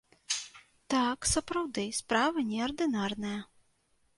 Так, сапраўды, справа неардынарная.